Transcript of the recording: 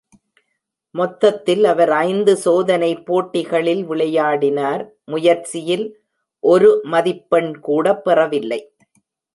மொத்தத்தில் அவர் ஐந்து சோதனை போட்டிகளில் விளையாடினார், முயற்சியில் ஒரு மதிப்பெண் கூட பெறவில்லை.